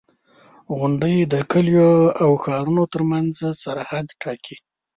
• غونډۍ د کليو او ښارونو ترمنځ سرحد ټاکي.